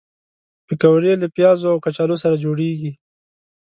پکورې له پیازو او کچالو سره جوړېږي